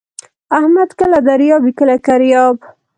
احمد کله دریاب وي کله کریاب.